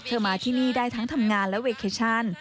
มาที่นี่ได้ทั้งทำงานและเวเคชัน